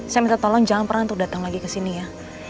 saya minta tolong jangan pernah datang lagi kesini ya